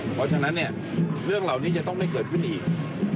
เพราะฉะนั้นเนี่ยเรื่องเหล่านี้จะต้องไม่เกิดขึ้นอีก